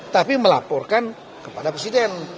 tapi melaporkan kepada presiden